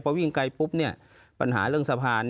เพราะวิ่งไกลปุ๊บเนี่ยปัญหาเรื่องสะพาน